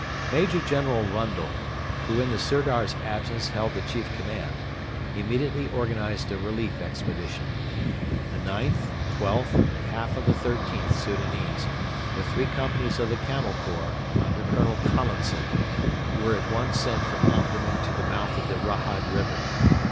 Major General Rundle, who in the Sirdar's absence held the chief command, immediately organised a relief expedition. The IXth, XIIth, and half of the XIIIth Soudanese, with three companies of the Camel Corps, under Colonel Collinson, were at once sent from Omdurman to the mouth of the Rahad river.